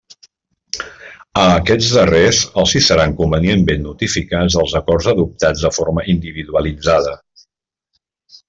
A aquests darrers els hi seran convenientment notificats els acords adoptats de forma individualitzada.